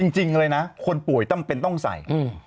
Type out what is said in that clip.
จริงเลยนะคนป่วยต้องใส่